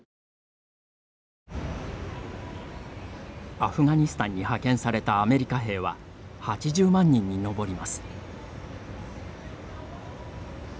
アフガニスタンに派遣されたアメリカ兵は８０万人に上ります。